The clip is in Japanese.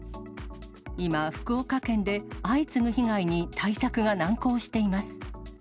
今、福岡県で、相次ぐ被害に対策が難航しています。